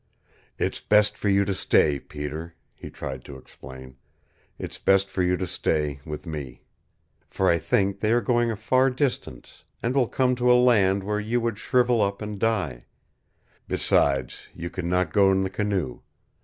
"It's best for you to stay, Peter," he tried to explain. "It's best for you to stay with me. For I think they are going a far distance, and will come to a land where you would shrivel up and die. Besides, you could not go in the canoe.